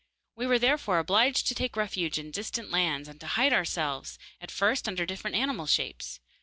We were therefore obliged to take refuge in distant lands, and to hide ourselves at first under different animal shapes.